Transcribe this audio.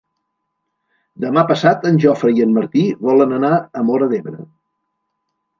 Demà passat en Jofre i en Martí volen anar a Móra d'Ebre.